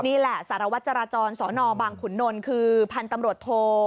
นี่แหละสารวัตรจราจรสนบางขุนนลคือพันธุ์ตำรวจโท